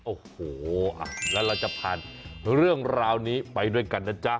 โอ้โหแล้วเราจะผ่านเรื่องราวนี้ไปด้วยกันนะจ๊ะ